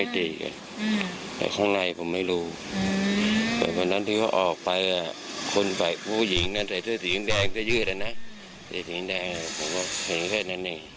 ท่างกฎเยี่ยมไหมคะสิ่งที่เกิดขึ้น